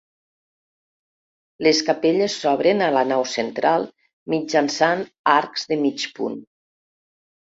Les capelles s'obren a la nau central mitjançant arcs de mig punt.